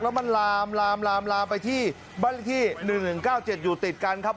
แล้วมันลามลามไปที่บ้านเลขที่๑๑๙๗อยู่ติดกันครับ